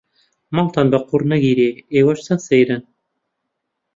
ماڵتان بە قوڕ نەگیرێ ئێوەش چەند سەیرن.